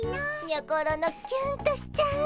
にょころのキュンとしちゃう。